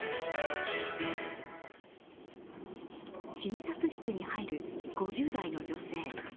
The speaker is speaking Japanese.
診察室に入る５０代の女性。